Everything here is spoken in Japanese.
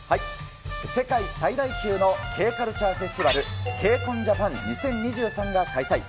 世界最大級のＫカルチャーフェスティバル、ＫＣＯＮＪＡＰＡＮ２０２３が開催。